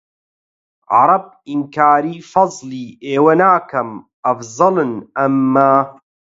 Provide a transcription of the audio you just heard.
عەرەب ئینکاری فەزڵی ئێوە ناکەم ئەفزەلن ئەمما